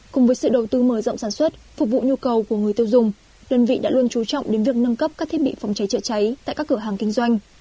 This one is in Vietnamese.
cùng với sự đầu tư mở rộng sản xuất phục vụ nhu cầu của người tiêu dùng đơn vị đã luôn trú trọng đến việc nâng cấp các thiết bị phòng cháy chữa cháy tại các cửa hàng kinh doanh